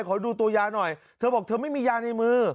ขอดูตัวยาหน่อยเธอบอกเธอไม่มียาในมือ